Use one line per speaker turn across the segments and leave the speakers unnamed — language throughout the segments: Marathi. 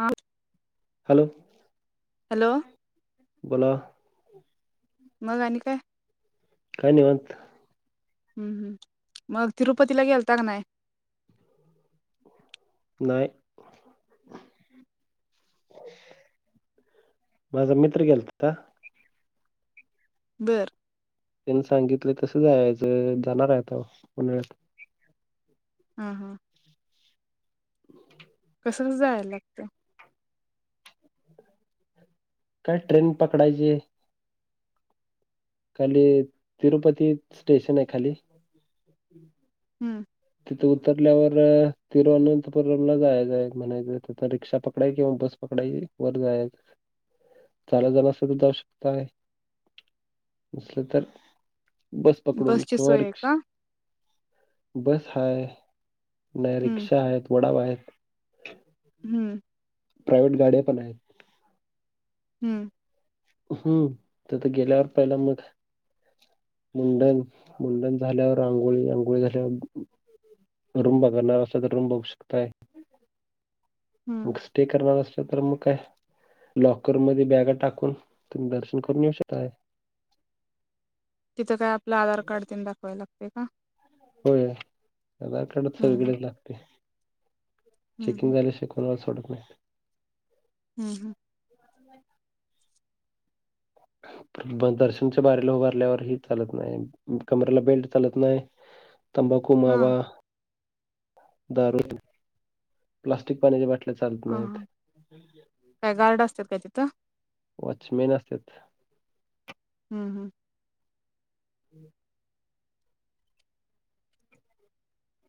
हा
हॅलो
हॅलो
बोला
मग आणि काय
काय निवांत
हम्म हम्म मग तिरुपतीला गेलता का नाही?
नाही माझा मित्र गेलता.
बर
त्यांनी सांगितलं तसं जायचं जाणार आहे आता पंधरा......
हम्म हम्म.....
[inaudible]
तसंच जायला लागते....
काय ट्रेन पकडायची. खाली तिरुपती स्टेशन आहे खाली
हम्म
ते उतरल्यावर तिरुवअनंतपुरमला जायचंय म्हणायचं त्या रिक्षा पकडाय किंवा बस पकडायची वर जायचं, चालत जाणार असाल तर जाऊ शकताय नसल तर..... बस पकडुन
बसची
किंवा
सोय आहे का
रिक्षा बस हाय नाही
हम्म
रिक्षा आहेत वडाप आहेत.
हम्म
प्रायव्हेट गाड्या पण आहेत.
हम
हम्म तिथ गेल्यावर पहिला मग मुंडन, मुंडन झाल्यावर आंघोळ झाल्यावर रूम बघणार असा तर रूम बघू शकताय.
हम्म
मग स्टे करणार अस... तर मग काय लॉकर मध्ये बॅगा टाकून तुम्ही दर्शन करून येऊ शकताय
तिथं काय आपलं आधार कार्ड तेन दाखवायला लागतं. का?
होय आधार कार्ड
हम्म
सगळीकडेच लागते
हम्म
चेकिंग
हम्म
झाल्याशिवाय कोणाला सोडत....
हम्म हम्म
[unintelligible] [unintelligible] पण दर्शनच्या बारीला उभारल्यावर हे चालत नाही कमरेला बेल्ट चालत नाही. तंबाकू,
हा
मावा दारू [unintelligible] प्लास्टिक पाण्याच्या बाट चालत
हा
नाहीत,
हा काय गार्ड असतात काय तिथं
वॉचमेन असत्यात.
हम्म हम्म.
[inaudible]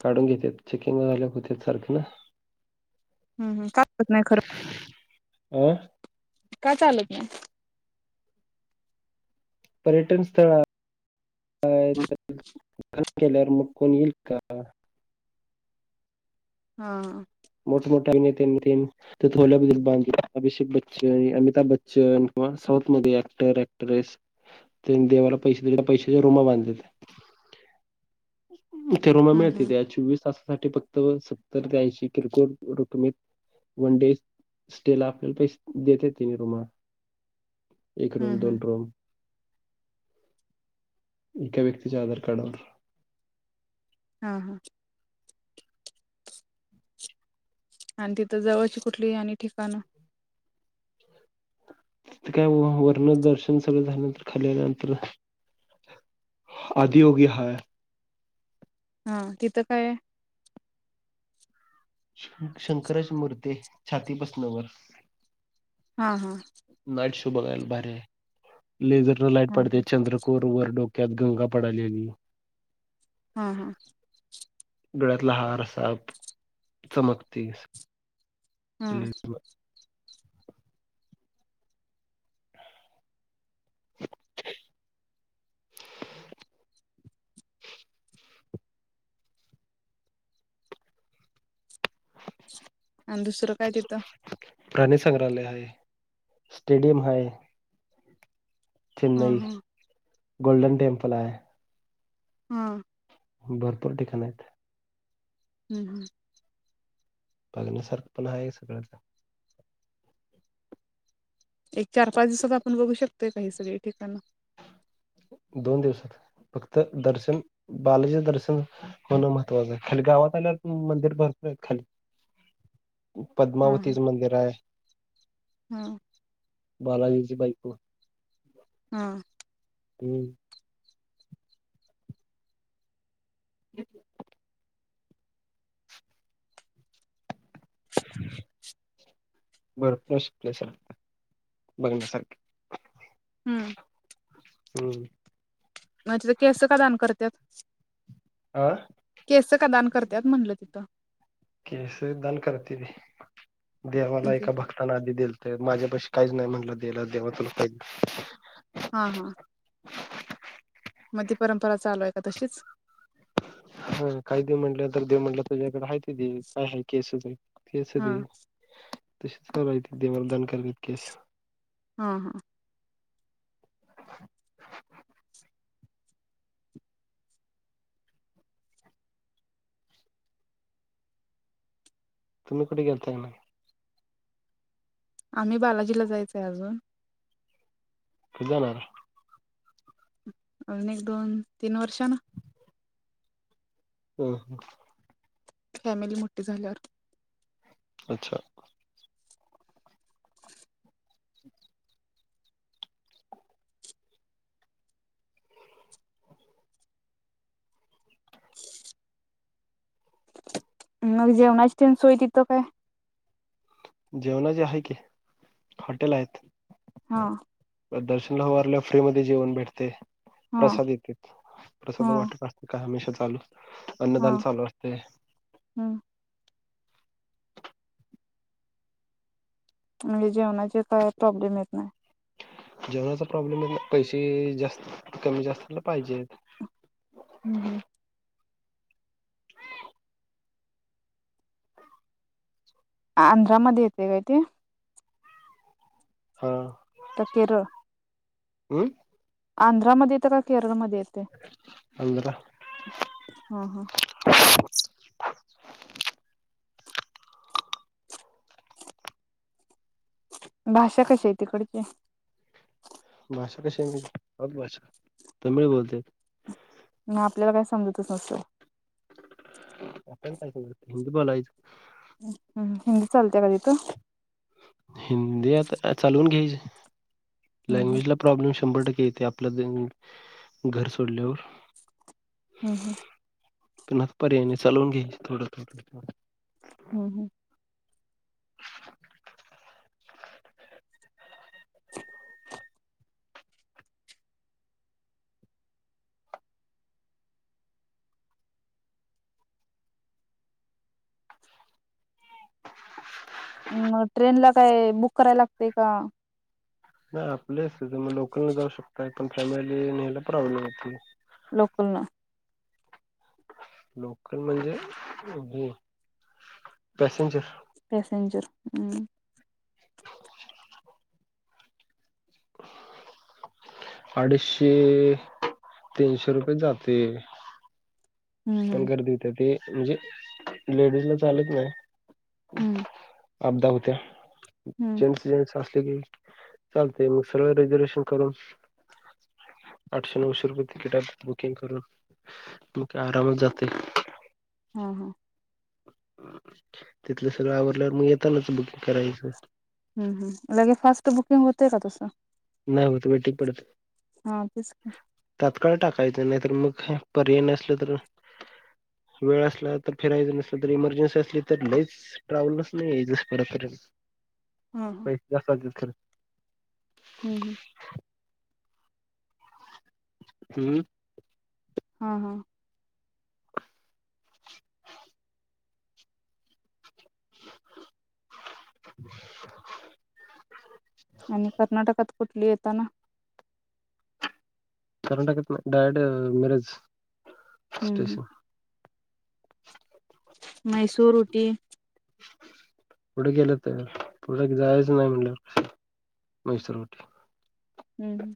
काढून घेतेत चेकिंग होते सारखे ना?
हम्म हम्म कात नाही खरं
आं?
का चालत नाय?
पर्यटन स्थळ [unintelligible] हर्ट केल्यावर म कोण येईल का?
हा हा.
मोठमोठ्या नेत्यांनी तेन [unintelligible] अभिषेक बच्चन, अमिताभ बच्चन किंवा साऊथ मध्ये ऍक्टर ऍक्ट्रेस तेन देवाला पैसे पैशाच्या रुमा बांधलेत. इथे रूमा
हम्म हम्म
मिळत्यता चोवीस तास साठी फक्त सत्तर ते ऐंशी क्रिकेट रुकमित वन डे स्टे ला आपल पैसे देत ति रुमा एक
हम्म
रूम,
हम्म
दोन रूम एका व्यक्तीच्या आधार कार्डवर
हा हा. आणि तिथं जवळची कुठली आणि ठिकाणं?
ति काय वरन दर्शन सगळं झाल्यानंतर खालील्यानंतर आधियोगी हाय.
हा तिथं काय आहे?
शंकरराज मूर्ती हाय छाती प्रसन्न.
हा हा.
बघायला भारीय. लेझर न लाईट
हा हा
पाडत्या चंद्रकूर वरडो त्यात गंगा पडाल्या नी
हम्म हम्म.
गळ्यातला हार साप चमकते.
हा
[unintelligible]
आणि दुसरं काय तिथं?
प्राणी संग्रहालय आहे, स्टेडियम हाय.
हा
चेन्नई.
हा
गोल्डन टेम्पल हायं.
हा -
भरपूर ठिकाण आहेत.
हम्म हम्म
बघण्यासारखं पण आहे सगळं
एक चार-पाच दिवसात आपण बघू शकतोय काय हा सगळी ठिकाण?
दोन दिवसात फक्त दर्सन बालाजीच दर्सन होणं महत्त्वाचं आहे, खाली गावात आल्यावर पण मंदिर भरपूर आहेत खाली.
हा
पद्मावतीचं मंदिर हायं.
हा
बालाजीची बाईको
हा
हम्. [inaudible] [unintelligible] प्लेस आहे बघण्यासारखे
हम्म
हम्
मग तिथं केस का दान करत्यात?
आ
केसं का दान करत्यात म्हणलं तिथं.
केस दान करते देवाला
म्हणजे
एका भक्ताना आधी दिल ते माझ्यापशी काहीच नाही म्हटलं देयाला देवा तुला काय देवू?
हा हा मग ती परंपरा चालू आहे का तशीच?
हा काही देव म्हंटलं तर देव म्हनलं तुझ्याकडे हायत. दे काय आहे केसं दे, केसं
हा
दे तसेच [inaudible] देवल दान का
हा हा
[unintelligible] केस [inaudible] तुम्ही कुठं गेलताय नाय?
आम्ही बालाजीला जायचा आहे अजून
कधी जाणार?
अजून एक, दोन, तीन वर्षांना
हम् हम
फॅमिली मोठी झाल्यावर
अच्छा हं
मग जेवणास तेन सोय तिथं काय?
जेवणाची आहे की हॉटेल आहेत.
हा
[inaudible] ल्या वर फ्रीमध्ये जेवण भेटतय.
हा
प्रसाद देतेत प्रसाद
हा
वाटतं का हमेशाच तालु
हा
अन्नदान चालू असते.
हम्म म्हणजे जेवणाचे काय प्रॉब्लेम येत नाय.
जेवणाचा प्रॉब्लेम मधन पैसे जास्त कमी कमी जास्तला पाहिजेत.
हम्म हम्म. आंध्रा मध्ये येते काय ते?
हा
तकेरं
हम्म
आंध्रामध्ये येत का केरळमध्ये? येत
आंध्रा
हा हा भाषा कशी आहे तिकडची?
भाषा कशी हाय म्हणजे अब भाषा तमिळ बोलते.
मग आपल्याला काय समजतच नसलं.
आपण काय त्याच्यात हिंदी बोलायचं.
हम्म हम्म चालत्या काय तिथं
हिंदी आता चालवून घ्यायची.
हम्म
लँग्वेज ला प्रॉब्लेम शंभर टक्के येते आपलं दे घर सोडल्यावर.
हुं हुं
पण आता पर्याय नाही चालवून घेईन थोडं थोडं
हम्म हम्
[inaudible]
मग ट्रेन ला काय बुक करायला लागतय का
नाही आपले असतात तुम्ही लोकलन जाऊ शकता. पण फॅमिली न्यायला प्रॉब्लेम होतोय.
लोकल न
लोकल म्हणजे हे. पॅसेंजर?
पॅसेंजर हम्म
[inaudible] अडीशे तीनशे रुपयत जातय.
हम्म
पण
हम्म
गर्दी होेत्या ते म्हणजे लेडीजला चालत नाही.
हम्म
अबदा हुत्या.
हम्म.
जेंट्स जेंट्स असले की चालतंय मग सरळ रिझर्वेशन करून आठशे नऊशे रुपये तिकीट आसतय बुकिंग करून मग काय आरामात जातंय.
हा ह
तिथलं सगळं आवरल्यावर मग येतानाच बुकिंग करायचं.
हुं हुं लगे फास्ट बुकिंग होतंय का तसं?
नाही होत वेटिंग पडत
हा तेच की.
तात्काळ टाक. काय तर नाही तर मग काय पर्याय नसलं तर, वेळ असला तर फिरायचं नसलं तर इमर्जन्सी असली तर लईच ट्रॅव्हल्ससन यायच परत.
हा
पैसे जास्त जात्यात खरं.
हुं हुं
हम्म
हा, हा
[unintelligible]
आणि कर्नाटकात? कुठली येताना
कर्नाटकात डायरेक्ट मिरज.
हम्म.
स्टेशन
मैसूर, उटी
पुढ गेलं तर पुढ जायचं नाही म्हणाल्यावर मैसूर, उटी.
हम्म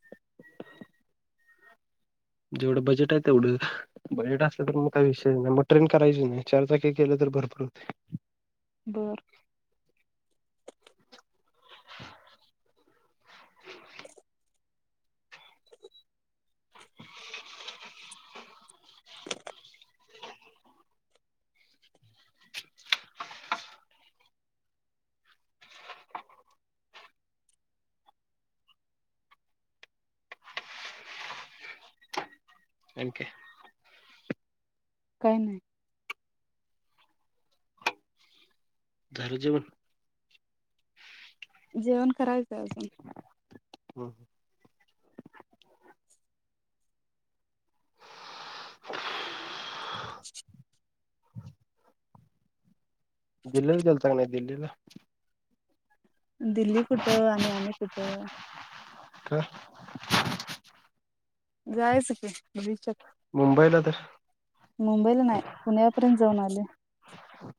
जेवढं बजेट आहे तेवढं बजेट असलं तर मग काही विषय नाही मग ट्रेन करायची नाही चारचाकी केले तर बर पडतेय
बर
[inaudible]
[inaudible]
अन काय
काय नाही
झाल जेवन
जेवण कराय [inaudible]
[inaudible] दिल्लीला गेलता का नाही दिल्लीला
दिल्ली कुठं आणि आम्ही कुठ?
का
जायचकी भविष्यात
मुंबईला तर
मुंबईला नाही पुण्यापर्यंत जाऊन आले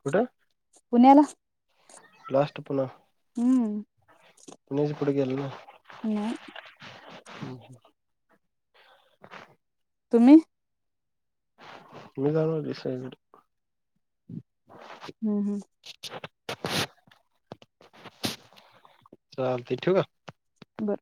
कुठं
पुण्याला
लास्ट पुणा
हम्म
पुढं गेलं [unintelligible]
नाही
हम्म हं
तुम्ही?
मी काय म्हटलो सगळीकड
हं हं
चालते ठिवू का
बरं